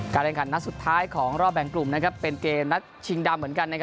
การแข่งขันนัดสุดท้ายของรอบแบ่งกลุ่มนะครับเป็นเกมนัดชิงดำเหมือนกันนะครับ